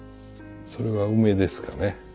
それは梅ですかね。